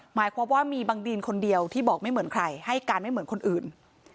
หมายความว่ามีบางดีนคนเดียวที่บอกไม่เหมือนใครให้การไม่เหมือนคนอื่น